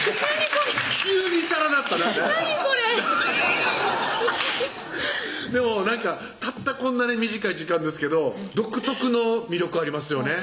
これでもなんかたったこんなに短い時間ですけど独特の魅力ありますよね